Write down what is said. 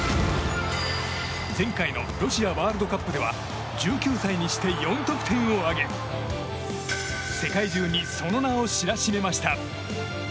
前回のロシアワールドカップでは１９歳にして４得点を挙げ世界中にその名を知らしめました。